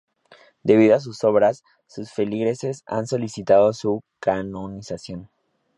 Debido a sus obras, sus feligreses han solicitado su canonización.